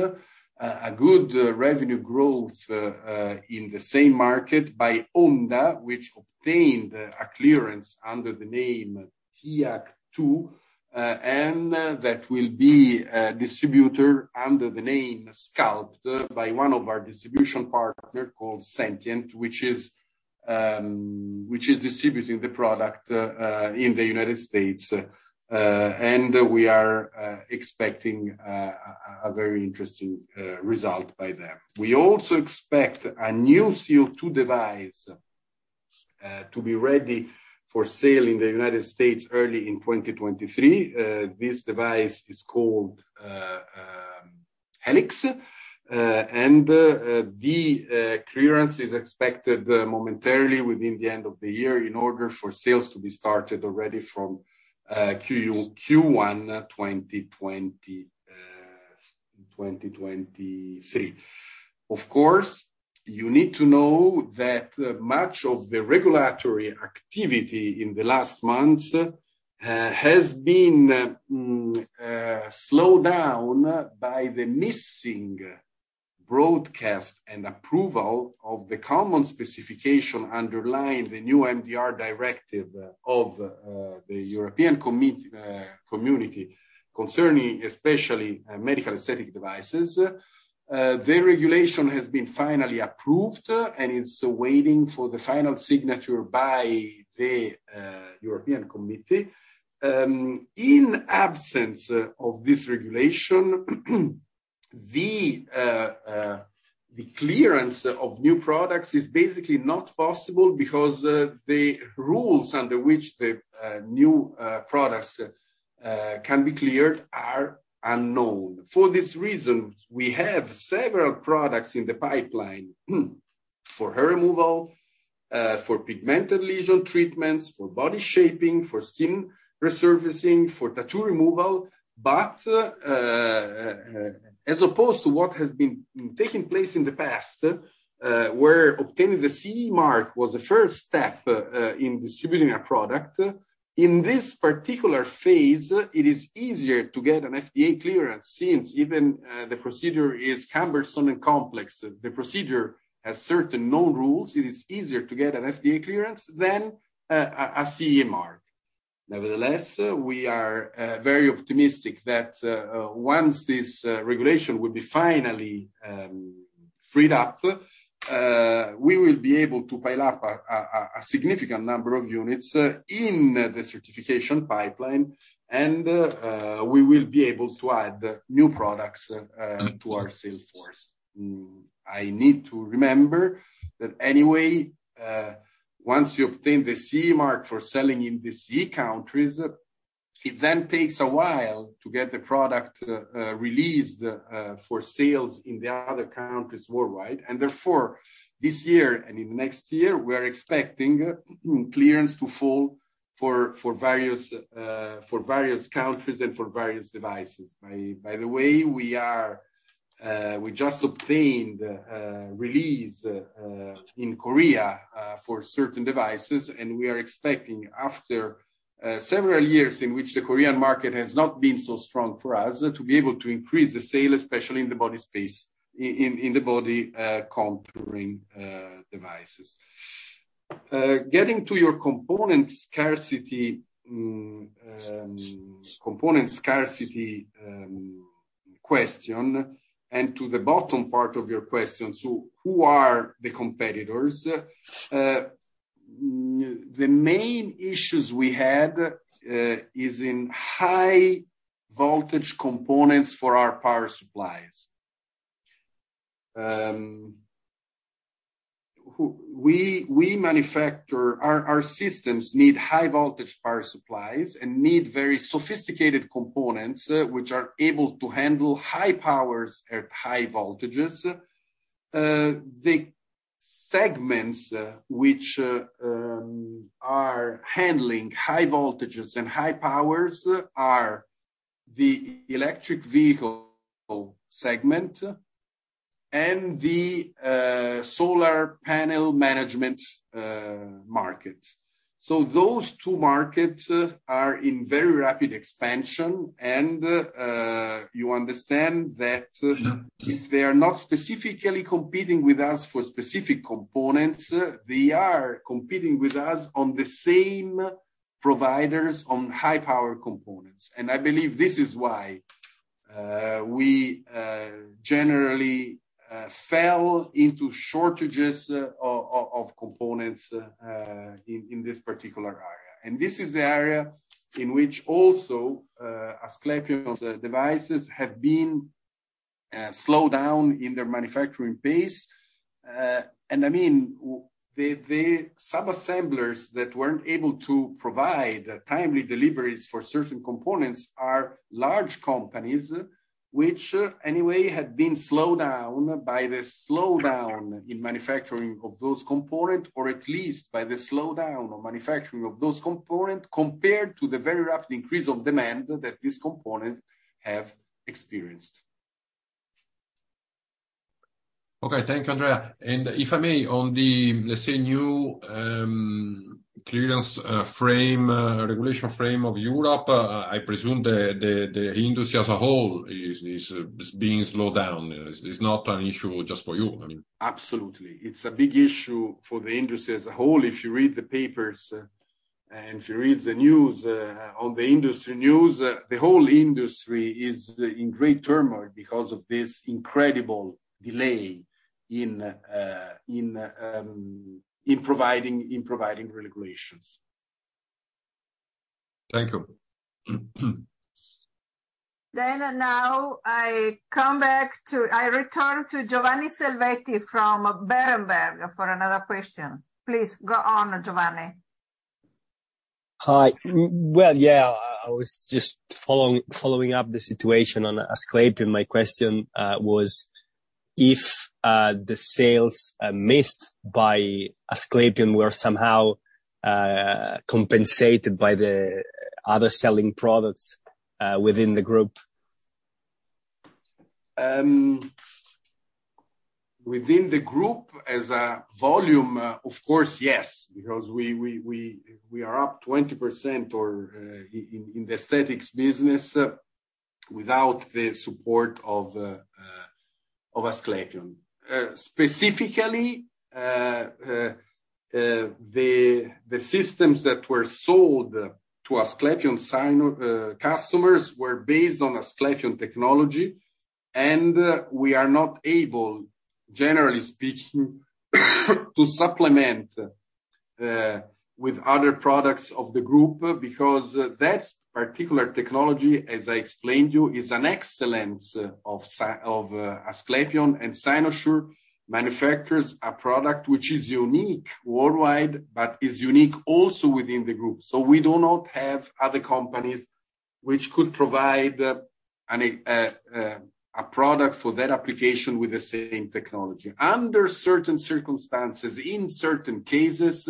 a good revenue growth in the same market by Onda, which obtained a clearance under the name TiteK2, and that will be a distributor under the name Sculpt by one of our distribution partner called Sentient, which is distributing the product in the United States. We are expecting a very interesting result by them. We also expect a new CO2 device to be ready for sale in the United States early in 2023. This device is called Helix. The clearance is expected momentarily within the end of the year in order for sales to be started already from Q1 2023. Of course, you need to know that much of the regulatory activity in the last months has been slowed down by the missing publication and approval of the common specification underlying the new MDR directive of the European Commission, concerning especially medical aesthetic devices. The regulation has been finally approved and is waiting for the final signature by the European Commission. In absence of this regulation, the clearance of new products is basically not possible because the rules under which the new products can be cleared are unknown. For this reason, we have several products in the pipeline for hair removal, for pigmented lesion treatments, for body shaping, for skin resurfacing, for tattoo removal. As opposed to what has been taking place in the past, where obtaining the CE mark was the first step in distributing a product, in this particular phase, it is easier to get an FDA clearance. Since even the procedure is cumbersome and complex, the procedure has certain known rules, it is easier to get an FDA clearance than a CE mark. Nevertheless, we are very optimistic that once this regulation will be finally freed up, we will be able to pile up a significant number of units in the certification pipeline and we will be able to add new products to our sales force. I need to remember that anyway, once you obtain the CE mark for selling in the CE countries, it then takes a while to get the product released for sales in the other countries worldwide. Therefore, this year and in next year, we are expecting clearance to follow for various countries and for various devices. By the way, we just obtained release in Korea for certain devices, and we are expecting after several years in which the Korean market has not been so strong for us, to be able to increase the sales, especially in the body space, in the body contouring devices. Getting to your component scarcity question and to the bottom part of your question, who are the competitors? The main issues we had is in high voltage components for our power supplies. Our systems need high voltage power supplies and need very sophisticated components, which are able to handle high powers at high voltages. The segments which are handling high voltages and high powers are the electric vehicle segment and the solar panel management market. Those two markets are in very rapid expansion and you understand that if they are not specifically competing with us for specific components, they are competing with us on the same providers on high power components. I believe this is why we generally fell into shortages of components in this particular area. This is the area in which also, Asclepion devices have been slowed down in their manufacturing pace. I mean, the subassemblers that weren't able to provide timely deliveries for certain components are large companies which anyway had been slowed down by the slowdown in manufacturing of those components, or at least by the slowdown of manufacturing of those components compared to the very rapid increase of demand that these components have experienced. Okay. Thank you, Andrea. If I may, on the, let's say, new regulatory framework of Europe, I presume the industry as a whole is being slowed down. It's not an issue just for you, I mean. Absolutely. It's a big issue for the industry as a whole. If you read the papers and if you read the news, on the industry news, the whole industry is in great turmoil because of this incredible delay in providing regulations. Thank you. I return to Giovanni Selvetti from Berenberg for another question. Please go on, Giovanni. Hi. Well, yeah, I was just following up the situation on Asclepion. My question was if the sales missed by Asclepion were somehow compensated by the other selling products within the group? Within the group as a volume, of course, yes, because we are up 20% or in the aesthetics business without the support of Asclepion. Specifically, the systems that were sold to Asclepion's own customers were based on Asclepion technology, and we are not able, generally speaking, to supplement with other products of the group because that particular technology, as I explained to you, is an excellence of Asclepion and Cynosure manufactures a product which is unique worldwide, but is unique also within the group. We do not have other companies which could provide a product for that application with the same technology. Under certain circumstances, in certain cases,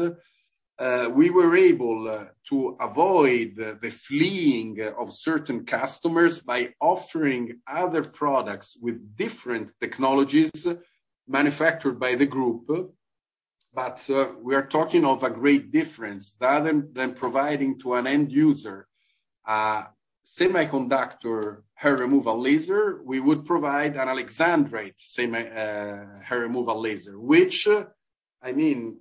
we were able to avoid the fleeing of certain customers by offering other products with different technologies manufactured by the group. We are talking of a great difference. Rather than providing to an end user a semiconductor hair removal laser, we would provide an Alexandrite hair removal laser, which, I mean,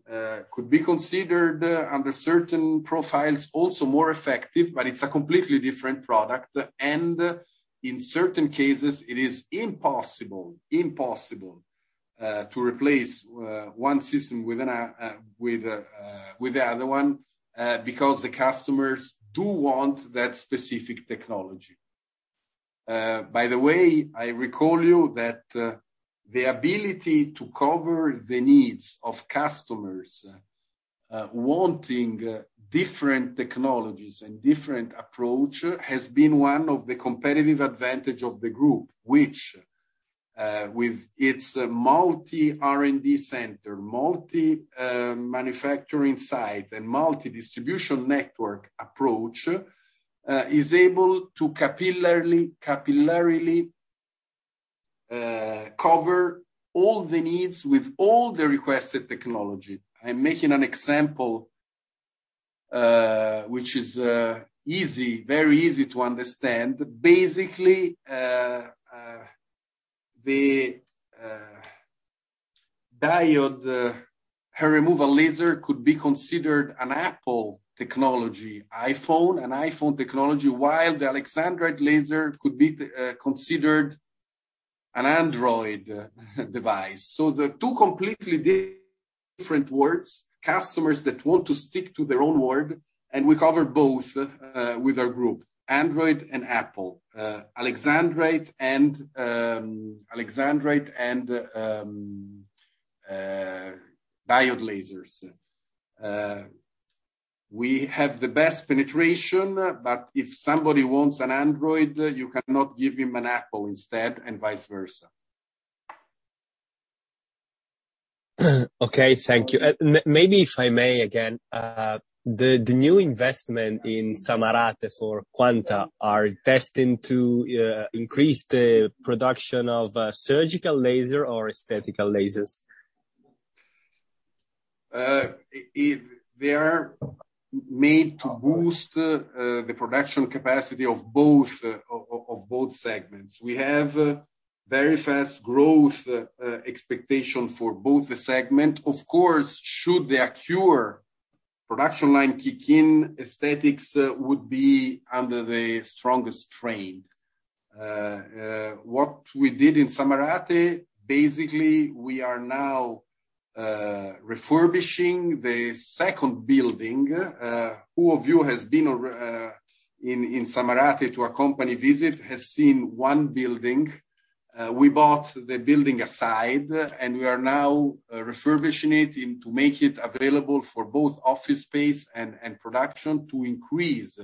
could be considered under certain profiles also more effective, but it's a completely different product. In certain cases, it is impossible to replace one system with the other one because the customers do want that specific technology. By the way, I recall you that the ability to cover the needs of customers wanting different technologies and different approach has been one of the competitive advantage of the group, which with its multi R&D center, multi manufacturing site, and multi distribution network approach is able to capillarily cover all the needs with all the requested technology. I'm making an example which is easy, very easy to understand. Basically, the diode hair removal laser could be considered an Apple technology iPhone, an iPhone technology, while the alexandrite laser could be considered an Android device. The two completely different worlds, customers that want to stick to their own world, and we cover both with our group, Android and Apple, alexandrite and diode lasers. We have the best penetration, but if somebody wants an Android, you cannot give him an Apple instead, and vice versa. Okay, thank you. Maybe if I may again, the new investment in Samarate for Quanta are destined to increase the production of surgical laser or aesthetic lasers? They are made to boost the production capacity of both segments. We have very fast growth expectation for both the segment. Of course, should the Accure production line kick in, aesthetics would be under the strongest strain. What we did in Samarate, basically, we are now refurbishing the second building. Who of you has been or in Samarate to our company visit has seen one building. We bought the building beside, and we are now refurbishing it to make it available for both office space and production to increase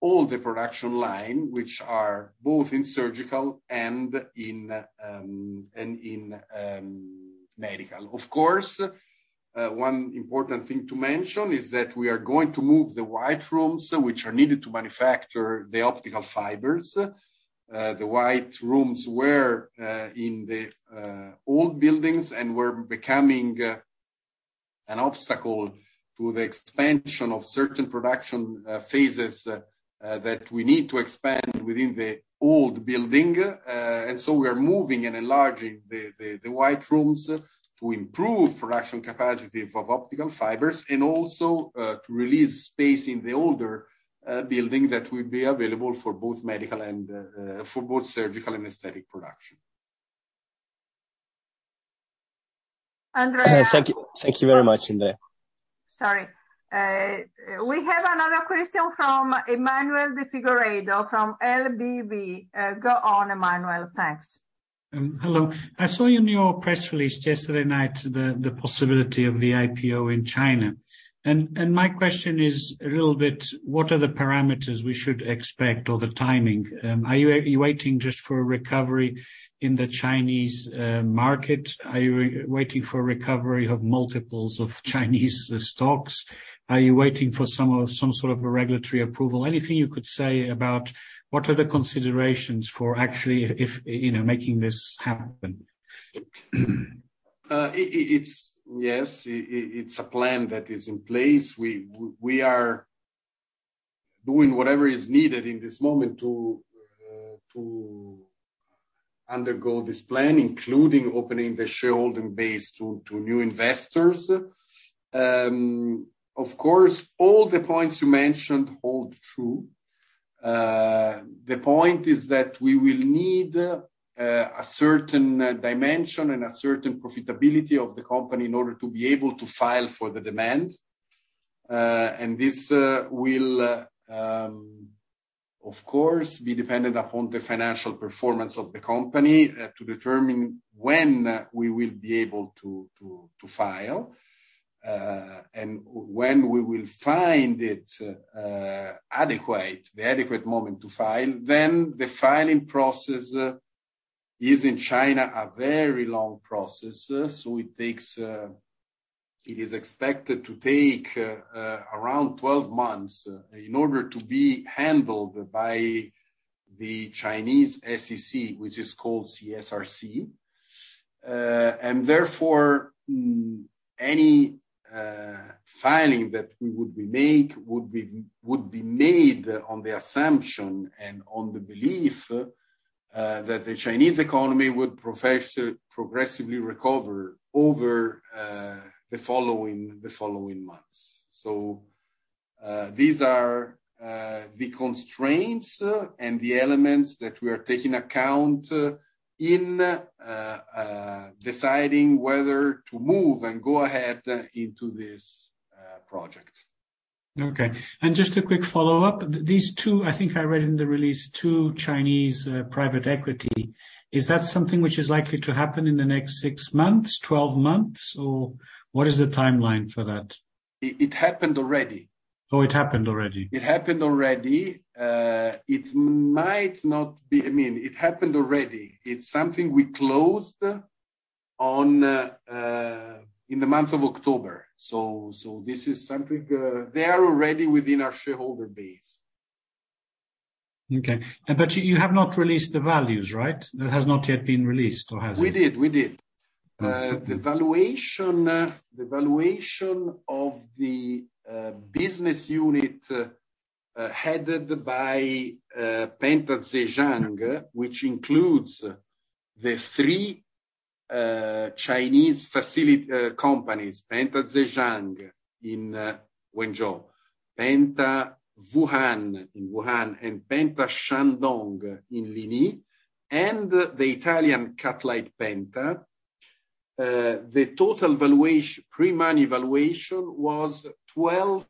all the production line, which are both in surgical and in medical. Of course, one important thing to mention is that we are going to move the white rooms which are needed to manufacture the optical fibers. The white rooms were in the old buildings and were becoming an obstacle to the expansion of certain production phases that we need to expand within the old building. We are moving and enlarging the white rooms to improve production capacity of optical fibers and also to release space in the older building that will be available for both medical and surgical and aesthetic production. Andrea- Thank you. Thank you very much, Andrea. Sorry. We have another question from Emmanuel de Figueiredo from LBV. Go on, Emmanuel. Thanks. Hello. I saw in your press release yesterday night the possibility of the IPO in China. My question is a little bit, what are the parameters we should expect or the timing? Are you waiting just for a recovery in the Chinese market? Are you waiting for recovery of multiples of Chinese stocks? Are you waiting for some sort of a regulatory approval? Anything you could say about what are the considerations for actually if you know making this happen? Yes, it's a plan that is in place. We are doing whatever is needed in this moment to undergo this plan, including opening the shareholding base to new investors. Of course, all the points you mentioned hold true. The point is that we will need a certain dimension and a certain profitability of the company in order to be able to file for the demand. This will, of course, be dependent upon the financial performance of the company to determine when we will be able to file. When we will find it adequate, the adequate moment to file, the filing process is, in China, a very long process. It is expected to take around 12 months in order to be handled by the CSRC. Any filing that we would make would be made on the assumption and on the belief that the Chinese economy would progressively recover over the following months. These are the constraints and the elements that we are taking into account in deciding whether to move and go ahead into this project. Okay. Just a quick follow-up. These two, I think I read in the release, two Chinese private equity. Is that something which is likely to happen in the next 6 months, 12 months, or what is the timeline for that? It happened already. Oh, it happened already? It happened already. I mean, it happened already. It's something we closed on in the month of October. This is something, they are already within our shareholder base. Okay. You have not released the values, right? That has not yet been released, or has it? We did. Mm-hmm. The valuation of the business unit headed by Penta Laser Zhejiang, which includes the three Chinese companies, Penta Laser Zhejiang in Wenzhou, Penta-Chutian Laser (Wuhan) Co., Ltd. in Wuhan, and Penta Laser (Shandong) Co., Ltd. in Linyi, and the Italian CutlitePenta, the total valuation, pre-money valuation was CNY 12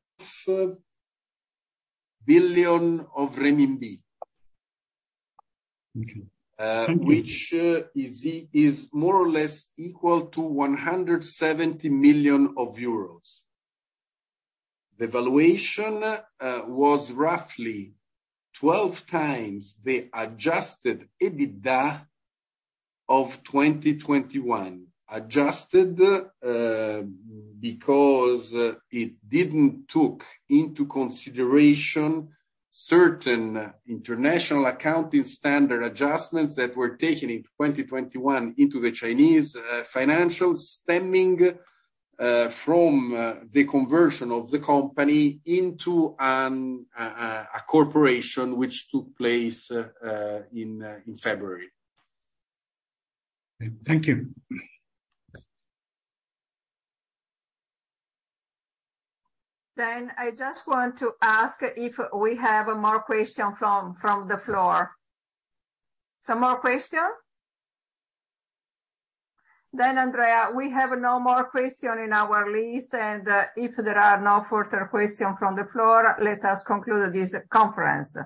billion. Okay. Thank you. which is more or less equal to 170 million euros. The valuation was roughly 12 times the adjusted EBITDA of 2021. Adjusted because it didn't take into consideration certain international accounting standard adjustments that were taken in 2021 into the Chinese financials stemming from the conversion of the company into a corporation which took place in February. Thank you. I just want to ask if we have more question from the floor. Some more question? Andrea, we have no more question in our list, and if there are no further question from the floor, let us conclude this conference.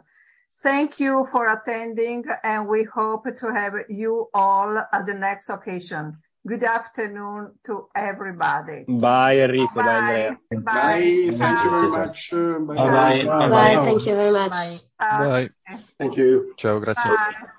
Thank you for attending, and we hope to have you all at the next occasion. Good afternoon to everybody. Bye, Enrico. Bye. Bye. Bye. Thank you very much. Bye-bye, everyone. Bye. Thank you very much. Bye. Bye. Thank you. Ciao, grazie. Bye.